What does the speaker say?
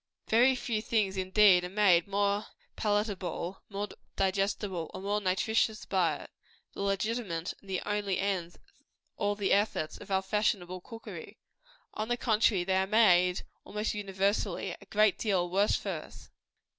Very few things, indeed, are made more palatable, more digestible, or more nutritious by it the legitimate and only ends of all the efforts of our fashionable cookery. On the contrary, they are made, almost universally, a great deal worse for us.